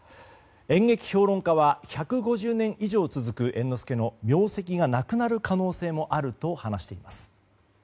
演劇評論家は１５０年以上続く猿之助の名跡がなくなる可能性もあると話しています。